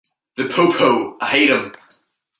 The 'Po-Po,' I hate 'em.